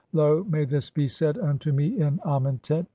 Lo, may this be said unto me in Amentet!